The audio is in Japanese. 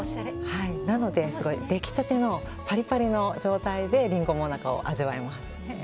なので、できたてのパリパリの状態でりんごモナカを味わえます。